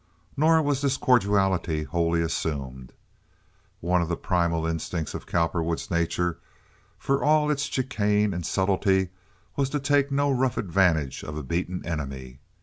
Nor was this cordiality wholly assumed. One of the primal instincts of Cowperwood's nature—for all his chicane and subtlety—was to take no rough advantage of a beaten enemy.